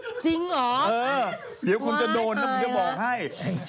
พี่หนิงมาบ่อยนะคะชอบเห็นมั้ยดูมีสาระหน่อย